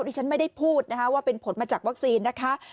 ที่ฉันไม่ได้พูดนะคะว่าเป็นผลมาจากวัคซีนนะคะ